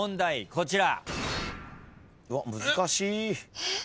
こちら。